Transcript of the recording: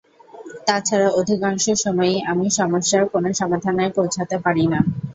তা ছাড়া অধিকাংশ সময়ই আমি সমস্যার কোনো সমাধানে পৌঁছতে পারি না।